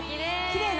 きれい！